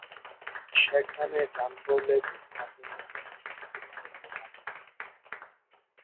সেখানে টান পড়লে গোঁত্তা খেয়ে আমাদের ঘুড়ি পড়বে মাটিতে।